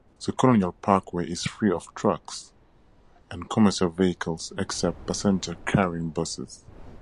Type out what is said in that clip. The Colonial Parkway is free of trucks and commercial vehicles except passenger-carrying buses.